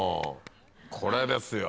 これですよ。